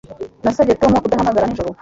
Nasabye Tom kudahamagara nijoro.